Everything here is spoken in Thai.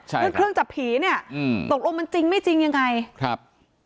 เรื่องเครื่องจับผีเนี่ยอืมตกลงมันจริงไม่จริงยังไงครับ